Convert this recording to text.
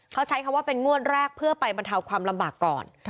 เขาใช้คำว่าเป็นงวดแรกเพื่อไปบรรเทาความลำบากก่อน